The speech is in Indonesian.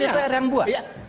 dekat dpr yang buat